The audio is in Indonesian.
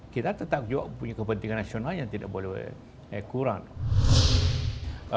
kita tetap juga punya kepentingan nasional yang tidak boleh kurang